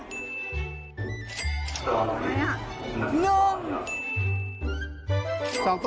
สมฉายาเจ้าพ่อน้ำสองนะ